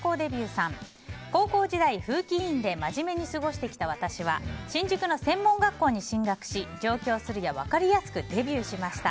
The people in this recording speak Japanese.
高校時代、風紀委員で真面目に過ごしてきた私は新宿の専門学校に進学し上京するや分かりやすくデビューしました。